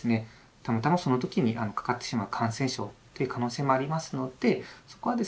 たまたまその時にかかってしまう感染症という可能性もありますのでそこはですね